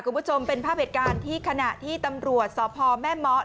คุณผู้ชมเป็นภาพเหตุการณ์ที่ขณะที่ตำรวจสพแม่เมาะ